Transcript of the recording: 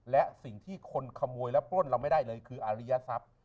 และสิ่งที่คนขโมยและปล้นเราไม่ได้เลยคืออาริยทรัพย์